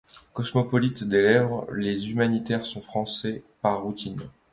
Cosmopolites des lèvres, les humanitaires sont Français par routine.